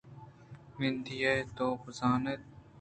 ھندی ءِ "تو" ءِ بزانت ءَ دنت